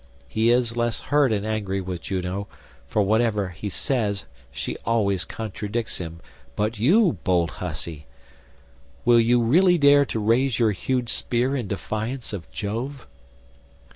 He is less hurt and angry with Juno, for whatever he says she always contradicts him but you, bold hussy, will you really dare to raise your huge spear in defiance of Jove?"